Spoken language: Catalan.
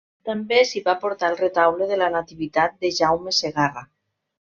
També s'hi va portar el retaule de la Nativitat de Jaume Segarra.